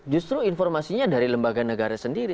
justru informasinya dari lembaga negara sendiri